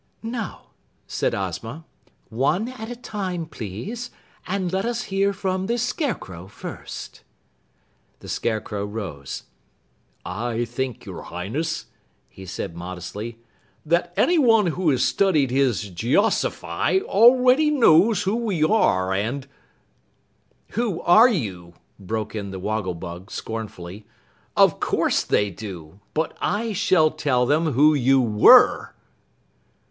"Now!" said Ozma, "One at a time, please, and let us hear from the Scarecrow first." The Scarecrow rose. "I think, your Highness," he said modestly, "that anyone who has studied his Geozify already knows who we are and " "Who you are?" broke in the Wogglebug scornfully "Of course they do but I shall tell them who you _were!"